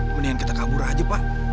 mendingan kita kabur aja pak